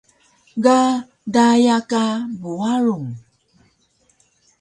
Ga daya ka Buarung